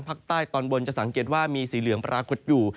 ภาคใต้ตอนบนจะสังเกตว่ามีสีเหลืองปรากฏอยู่